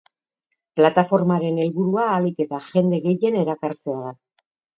Plataformaren helburua ahalik eta jende gehien erakartzea da.